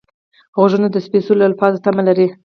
غوږونه د سپېڅلو الفاظو تمه لري